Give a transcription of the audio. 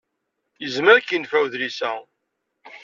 Yezmer ad k-yenfeɛ udlis-a.